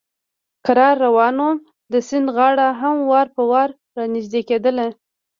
کرار روان ووم، د سیند غاړه هم وار په وار را نږدې کېدل.